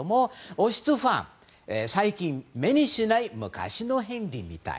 王室ファン、最近目にしない昔のヘンリーみたい。